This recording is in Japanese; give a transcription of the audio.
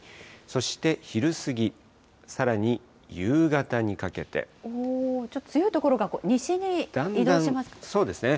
そして昼過ぎ、さらに夕方にかけおー、ちょっと強い所が西に移動しますね。